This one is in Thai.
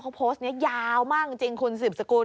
เขาโพสต์นี้ยาวมากจริงคุณสืบสกุล